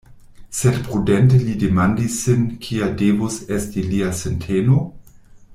Sed prudente li demandis sin kia devus esti lia sinteno?